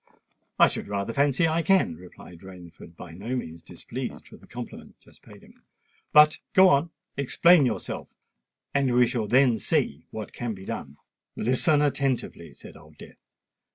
"I should rather fancy I can," replied Rainford, by no means displeased with the compliment just paid him. "But go on—explain yourself—and we shall then see what can be done." "Listen attentively," said Old Death.